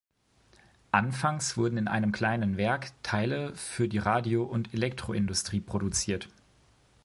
Anfangs wurden in einem kleinen Werk Teile für die Radio- und Elektroindustrie produziert.